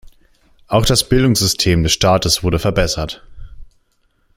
Auch das Bildungssystem des Staates wurde verbessert.